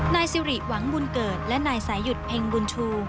นายสิริหวังบุญเกิดและนายสายุดเพ็งบุญชู